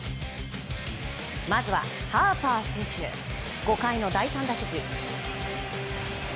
まずはハーパー選手５回の第３打席。